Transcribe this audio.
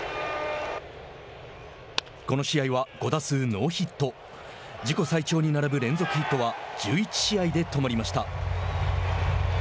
この試合は５打数ノーヒット。自己最長に並ぶ連続ヒットは１１試合で止まりました。